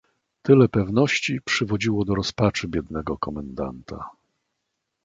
"Tyle pewności przywodziło do rozpaczy biednego komendanta."